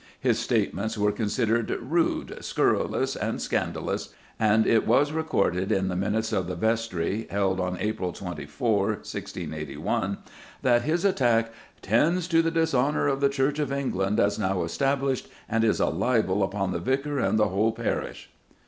His statements were considered "rude, scurrilous, and scandalous," and it was recorded in the minutes of the vestry, held on April 24, 1681, that his attack "tends to the dishonour of the Church of England as now established, and is a libel upon the Vicar and the whole parish."